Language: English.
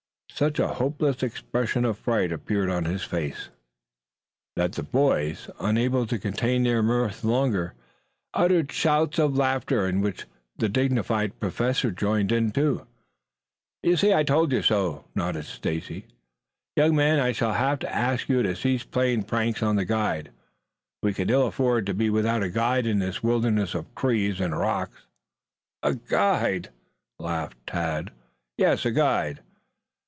Such a hopeless expression of fright appeared on his face that the boys, unable to contain their mirth longer, uttered shouts of laughter, in which the dignified Professor joined. "You see! I told you so," nodded Stacy. "Young man, I shall have to ask you to cease playing pranks on the guide. We can ill afford to be without a guide in this wilderness of trees and rocks." "A guide?" laughed Tad. "Yes, a guide."